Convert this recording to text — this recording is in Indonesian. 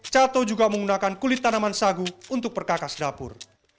cato juga menggunakan kulit tanaman sagu untuk perkakas dapur